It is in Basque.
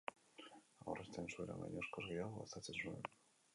Aurrezten zuena baino askoz gehiago gastatzen zuen.